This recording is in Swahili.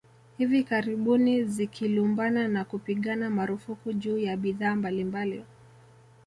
Hivi karibuni zikilumbana na kupigana marufuku juu ya bidhaa mbalimbali